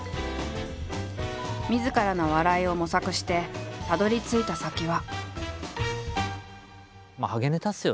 みずからの笑いを模索してたどりついた先は。